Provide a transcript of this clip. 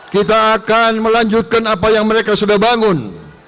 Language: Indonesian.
kita akan melanjutkan apa yang mereka sudah bangun